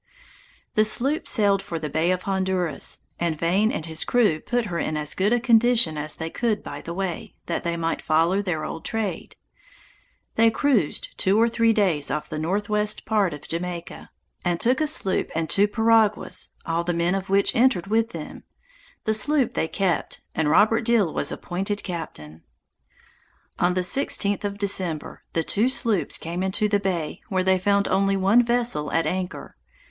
The sloop sailed for the bay of Honduras, and Vane and his crew put her in as good a condition as they could by the way, that they might follow their old trade. They cruised two or three days off the northwest part of Jamaica, and took a sloop and two perriaguas, all the men of which entered with them: the sloop they kept, and Robert Deal was appointed captain. On the 16th of December, the two sloops came into the bay, where they found only one vessel at anchor.